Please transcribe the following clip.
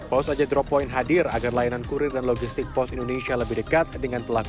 paus aja drop point hadir agar layanan kurir dan logistik pos indonesia lebih dekat dengan pelaku